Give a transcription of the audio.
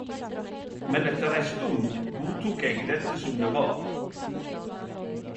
Men etter ei stund godtok eg dette som det var.